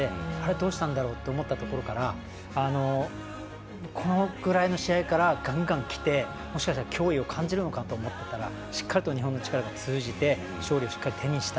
どうしたんだろう？と思ったところからこのくらいの試合からガンガンきてもしかしたら脅威を感じるのかと思っていたらしっかりと日本の力が通じて勝利をしっかりと手にした。